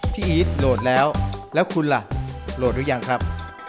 อีทโหลดแล้วแล้วคุณล่ะโหลดหรือยังครับ